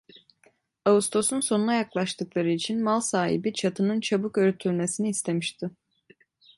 Ağustosun sonuna yaklaştıkları için mal sahibi çatının çabuk örtülmesini istemişti.